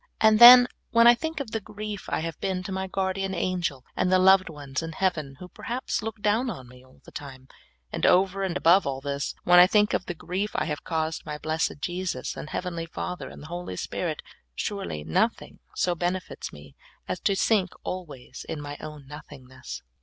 And then, when I think of the grief I have been to my Guardian Angel, and the loved ones in heaven who perhaps look down upon me all the time ; and over and above all this, when I think of the grief I have caused my blessed Jesus, and heavenly Father, and the Holy Spirit, surel}' nothing so benefits me as to sink always in mj own nothingness.